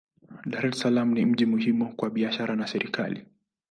Dar es Salaam ni mji muhimu kwa biashara na serikali.